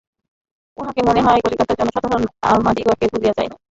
উহাতে মনে হয়, কলিকাতার জনসাধারণ আমাদিগকে ভুলিয়া যায় নাই।